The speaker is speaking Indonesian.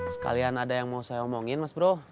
sekalian ada yang mau saya omongin mas bro